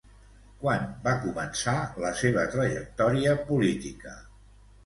Quan va començar la seva trajectòria política?